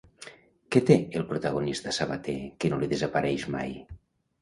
Què té el protagonista sabater que no li desapareix mai?